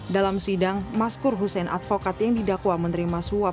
dalam sidang maskur hussein advokat yang didakwa menerima suap